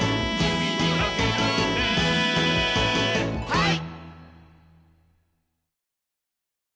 はい！